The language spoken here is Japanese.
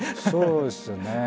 そうですよね。